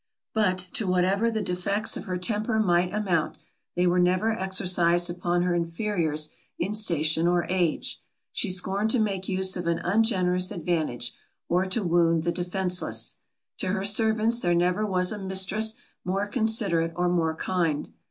But, to whatever the defects of her temper might amount, they were never exercised upon her inferiors in station or age. She scorned to make use of an ungenerous advantage, or to wound the defenceless. To her servants there never was a mistress more considerate or more kind.